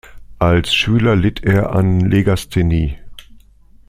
Als Schüler litt er an Legasthenie.